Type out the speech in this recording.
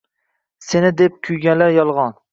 Seni deb kuyganlar yolgʻon